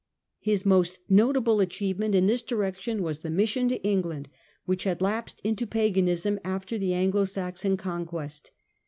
His most notable achieve j ment in this direction was the mission to England, which had lapsed into paganism after the Anglo Saxon conquest.